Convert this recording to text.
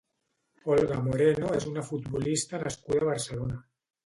Olga Moreno és una futbolista nascuda a Barcelona.